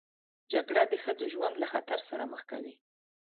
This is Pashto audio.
جګړه د ښځو ژوند له خطر سره مخ کوي